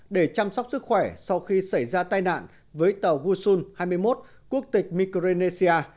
để chăm sóc sức khỏe sau khi xảy ra tai nạn với tàu uson hai mươi một quốc tịch micronesia